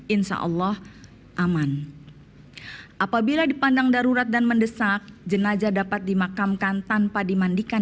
insya allah aman apabila dipandang darurat dan mendesak jenajah dapat dimakamkan tanpa dimandikan